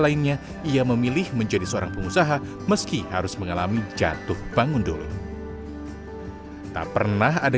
lainnya ia memilih menjadi seorang pengusaha meski harus mengalami jatuh bangun dulu tak pernah ada